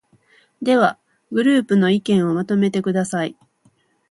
では、グループの意見をまとめてください。